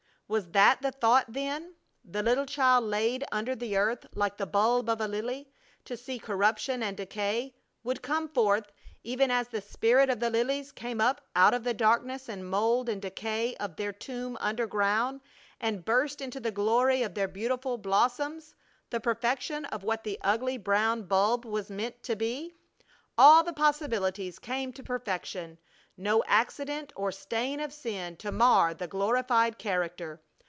Was that the thought, then? The little child laid under the earth like the bulb of the lily, to see corruption and decay, would come forth, even as the spirit of the lilies came up out of the darkness and mold and decay of their tomb under ground, and burst into the glory of their beautiful blossoms, the perfection of what the ugly brown bulb was meant to be. All the possibilities come to perfection! no accident or stain of sin to mar the glorified character!